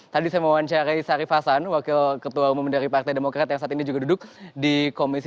tadi saya mewawancarai sari fasan wakil ketua umum dari partai demokrat yang saat ini juga duduk di komisi